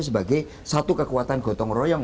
sebagai satu kekuatan gotong royong